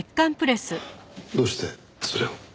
どうしてそれを？